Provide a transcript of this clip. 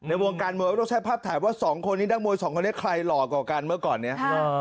วงการมวยก็ต้องใช้ภาพถ่ายว่าสองคนนี้นักมวยสองคนนี้ใครหล่อกว่ากันเมื่อก่อนนี้